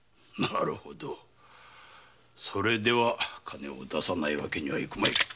なるほどそれでは金を出さないわけにはいくまい。